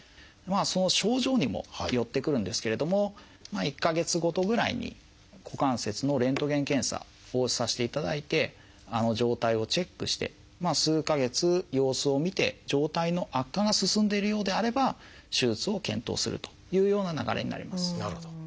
その症状にもよってくるんですけれども１か月ごとぐらいに股関節のレントゲン検査をさせていただいて状態をチェックして数か月様子を見て状態の悪化が進んでいるようであれば手術を検討するというような流れになります。